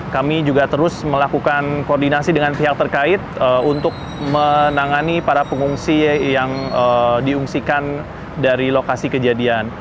kami juga terus melakukan koordinasi dengan pihak terkait untuk menangani para pengungsi yang diungsikan dari lokasi kejadian